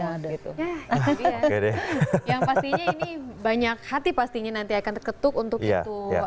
itu dia yang pastinya ini banyak hati pastinya nanti akan terketuk untuk itu